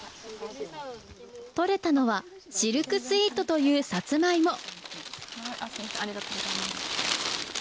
採れたのはシルクスイートというさつまいも。